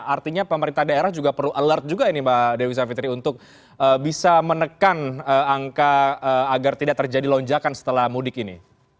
artinya pemerintah daerah juga perlu alert juga ini mbak dewi savitri untuk bisa menekan angka agar tidak terjadi lonjakan setelah mudik ini